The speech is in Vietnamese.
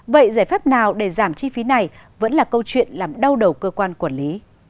vậy giải pháp nào để giảm chi phí này vẫn là câu chuyện làm đau đầu cơ quan quản lý